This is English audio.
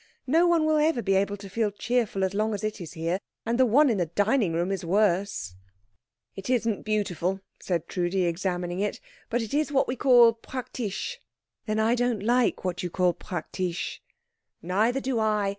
No one will ever be able to feel cheerful as long as it is here. And the one in the dining room is worse." "It isn't beautiful," said Trudi, examining it, "but it is what we call praktisch." "Then I don't like what you call praktisch." "Neither do I.